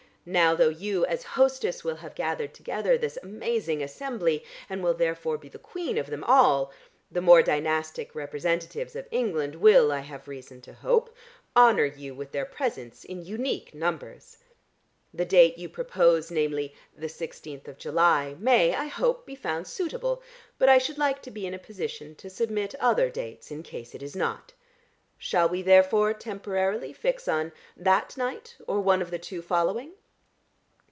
Now though you, as hostess will have gathered together this amazing assembly, and will therefore be the queen of them all, the more dynastic representatives of England will, I have reason to hope, honour you with their presence in unique numbers. The date you propose, namely the sixteenth of July, may, I hope, be found suitable, but I should like to be in a position to submit other dates in case it is not. Shall we therefore temporarily fix on that night or one of the two following?"